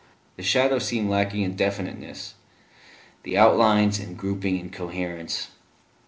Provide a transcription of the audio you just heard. The shadows seemed lacking in definiteness, the outlines and grouping in coherence.